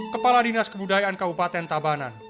kepala dinas kebudayaan kabupaten tabanan